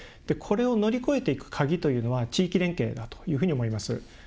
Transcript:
これを乗り越えていく鍵というのは地域連携だというふうに思います。